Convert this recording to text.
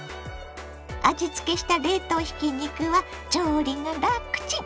味つけした冷凍ひき肉は調理がラクチン！